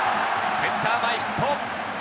センター前ヒット。